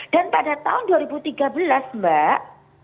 dan pada tahun dua ribu tiga belas mbak